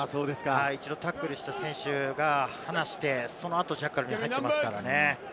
一度タックルした選手が離して、その後、ジャッカルに入っていますからね。